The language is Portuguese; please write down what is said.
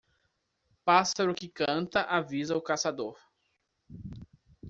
Pássaro que canta avisa o caçador.